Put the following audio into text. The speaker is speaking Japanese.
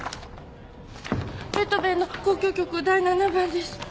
ベートーヴェンの『交響曲第７番』です。